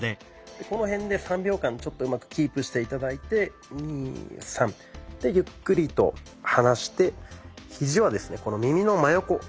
この辺で３秒間ちょっとうまくキープして頂いて２３でゆっくりと離してひじはですねこの耳の真横。